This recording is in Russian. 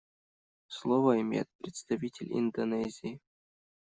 Слово имеет представитель Индонезии.